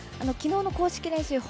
きのうの公式練習